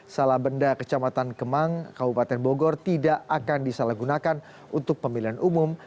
salah benda kecamatan kemang kabupaten bogor tidak akan disalahgunakan untuk pemilihan umum